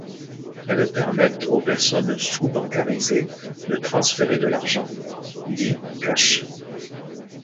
Elles permettent aux personnes sous bancarisées de transférer de l'argent, dit cash.